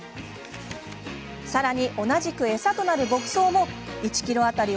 さらに同じくえさとなる牧草も１ｋｇ当たり